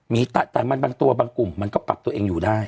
มีแต่มันบางตัวบางกลุ่มมันก็ปรับตัวเองอยู่ได้